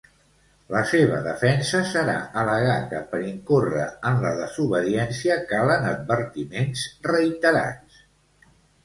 La seva defensa serà al·legar que per incórrer en la desobediència calen advertiments reiterats.